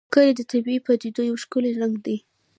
کلي د طبیعي پدیدو یو ښکلی رنګ دی.